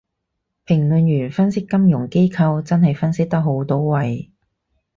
評論員分析金融機構真係分析得好到位